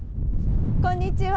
こんにちは。